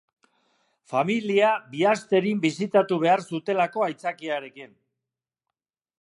Familia Biasterin bisitatu behar zutelako aitzakiarekin.